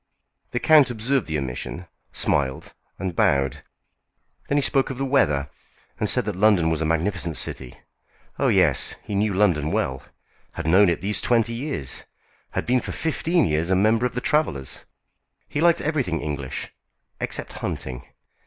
The count observed the omission, smiled, and bowed. Then he spoke of the weather, and said that London was a magnificent city. Oh, yes, he knew London well, had known it these twenty years; had been for fifteen years a member of the Travellers'; he liked everything English, except hunting.